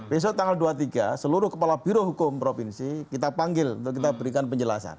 besok tanggal dua puluh tiga seluruh kepala birohukum provinsi kita panggil untuk kita berikan penjelasan